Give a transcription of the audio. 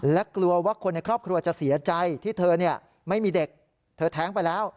และกลัวว่าคนในครอบครัวจะเสียใจที่เธอไม่มีเด็กเธอแท้งไปแล้ว